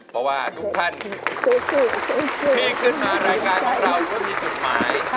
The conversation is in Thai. เพราะว่าทุกท่านที่ขึ้นมารายการของเราก็มีจดหมาย